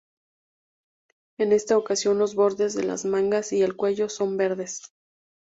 En esta ocasión los bordes de las mangas y el cuello son verdes.